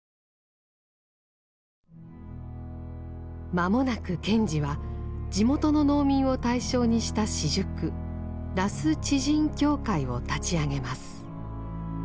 まもなく賢治は地元の農民を対象にした私塾「羅須地人協会」を立ち上げます。